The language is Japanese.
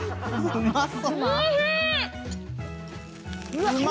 うまそう！